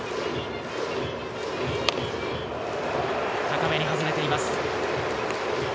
高めに外れています。